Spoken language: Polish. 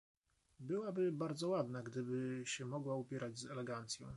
"byłaby bardzo ładna, gdyby się mogła ubierać z elegancją."